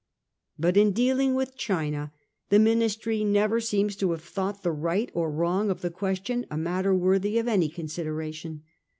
But in dealing with China the Ministry never seems to have thought the right or wrong of the question a matter worthy of any consi deration.